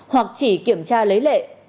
hoặc chỉ kiểm tra lấy lệ